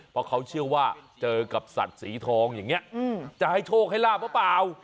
เพราะเขาเชื่อว่าเจอกับสัตว์สีทองอย่างนี้จะให้โชคให้ลาบหรือเปล่า